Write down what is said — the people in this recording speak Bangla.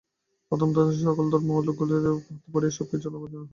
প্রথমত সকল ধর্মেই অজ্ঞলোকদের হাতে পড়িয়া সব কিছুরই অবনতি হয়।